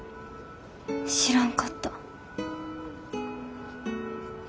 知らんかった。